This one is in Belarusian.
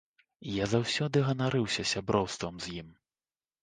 Я заўсёды ганарыўся сяброўствам з ім.